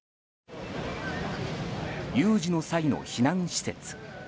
有事の際の避難施設。